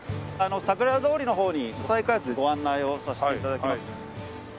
桜田通りのほうに再開発ご案内をさせて頂きます。